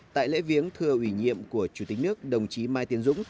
tại lễ viếng thừa ủy nhiệm của chủ tịch nước đồng chí mai tiến dũng